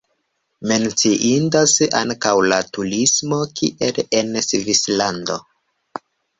Menciindas ankaŭ la turismo, kiel en Svislando.